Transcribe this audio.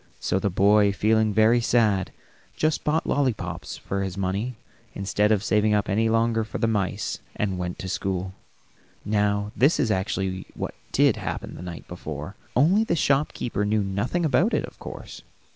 So the boy, feeling very sad, just bought lollipops for his money, instead of saving up any longer for the mice, and went to school. Now this is actually what did happen the night before, only the shopkeeper knew nothing about it, of course.